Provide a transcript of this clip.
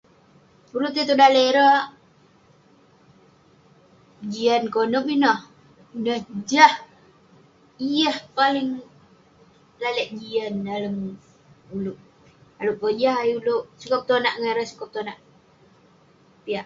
ulouk tai tong daleh ireh, jian konep ineh, ineh jah yah paling lalek jian dalem ulouk, kojah ayuk ulouk sukat petonak ngan ireh sukat petonak piak.